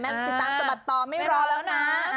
สิตามสะบัดต่อไม่รอแล้วนะ